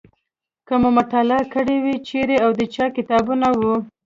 که مو مطالعه کړي وي چیرې او د چا کتابونه وو.